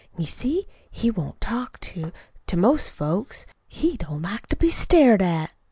You see, he won't talk to to most folks. He don't like to be stared at."